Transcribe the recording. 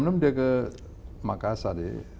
jam enam dia ke makassar ya